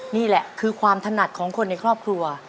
นี่แหละคือความถนัดของคนในครอบครัว